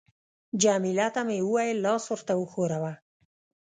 جميله ته مې وویل: لاس ورته وښوروه.